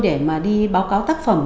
để mà đi báo cáo tác phẩm